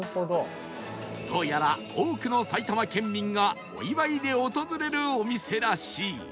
どうやら多くの埼玉県民がお祝いで訪れるお店らしい